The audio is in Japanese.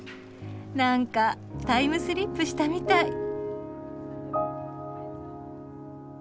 なんかタイムスリップしたみたい。